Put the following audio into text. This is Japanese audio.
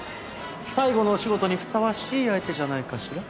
最後のお仕事にふさわしい相手じゃないかしら。